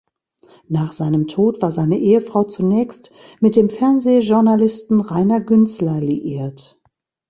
Nach seinem Tod war seine Ehefrau zunächst mit dem Fernsehjournalisten Rainer Günzler liiert.